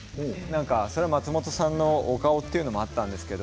それは松本さんのお顔というのもあったんですけれど。